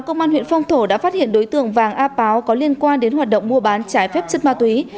công an huyện phong thổ đã phát hiện đối tượng vàng a páo có liên quan đến hoạt động mua bán trái phép chất ma túy